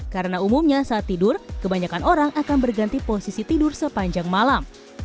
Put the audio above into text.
karena umumnya saat tidur kebanyakan orang akan berganti posisi tidur sepanjang malam